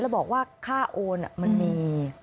แล้วบอกว่าค่าโอนมันมี